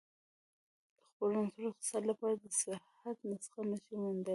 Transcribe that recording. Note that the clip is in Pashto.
د خپل رنځور اقتصاد لپاره د صحت نسخه نه شي موندلای.